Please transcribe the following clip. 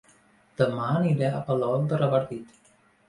Dema aniré a Palol de Revardit